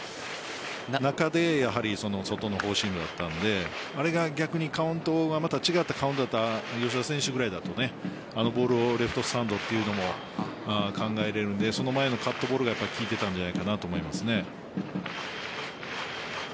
中で、やはり外のフォーシームだったのであれが逆にカウントがまた違ったカウントだったら吉田選手くらいだとあのボールをレフトスタンドというのも考えられるのでその前のカットボールが効いていたんじゃないかなと思います。